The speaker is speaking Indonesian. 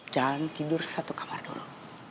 jalan tidur satu kamar dulu